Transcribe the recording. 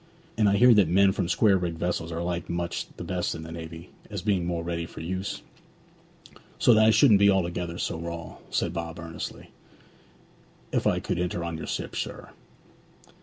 And I hear that men from square rigged vessels are liked much the best in the navy, as being more ready for use? So that I shouldn't be altogether so raw,' said Bob earnestly, 'if I could enter on your ship, sir.